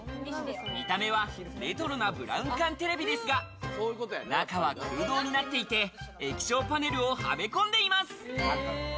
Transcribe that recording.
見た目はレトロなブラウン管テレビですが、中は空洞になっていて、液晶パネルをはめ込んでいます。